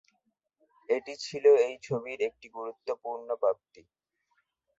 এটি ছিল এই ছবির একটি গুরুত্বপূর্ণ প্রাপ্তি।